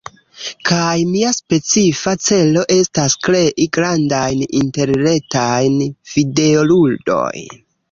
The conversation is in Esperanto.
kaj mia specifa celo estas krei grandajn interretajn videoludojn.